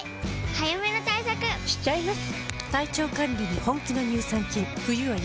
早めの対策しちゃいます。